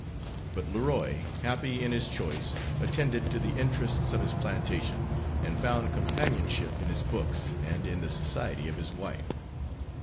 But Leroy, happy in his choice, attended to the interests of his plantation, and found companionship in his books and in the society of his wife.